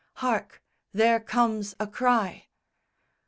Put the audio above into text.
Hark there comes a cry!